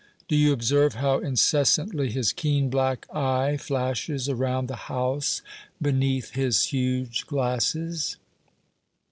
Do you observe how incessantly his keen black eye flashes around the house, beneath his huge glasses?"